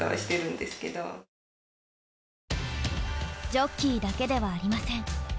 ジョッキーだけではありません。